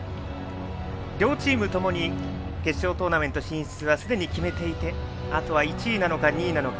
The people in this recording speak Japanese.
両チームともに決勝トーナメント進出はすでに決めていてあとは１位なのか、２位なのか。